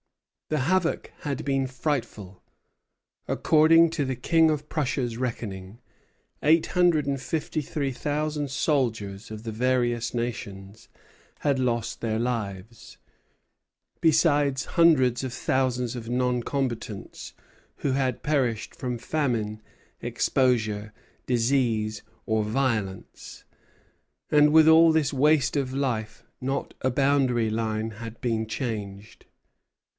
The havoc had been frightful. According to the King of Prussia's reckoning, 853,000 soldiers of the various nations had lost their lives, besides hundreds of thousands of non combatants who had perished from famine, exposure, disease, or violence. And with all this waste of life not a boundary line had been changed.